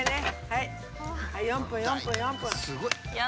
はい４分４分４分。